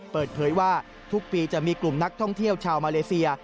เปิดเผยว่าทุกปีจะมีกลุ่มนักท่องเที่ยวชาวมาเลเซีย